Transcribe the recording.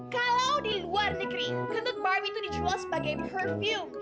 kalau di luar negeri ketut barbie tuh dicual sebagai perhubung